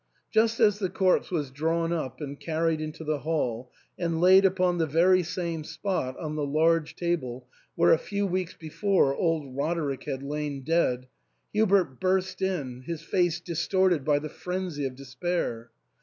Just as the corpse was drawn up and carried into the hall, and laid upon the very same spot on the large table where a few weeks before old Roderick had lain dead, Hubert burst in, his face distorted by the frenzy of despair.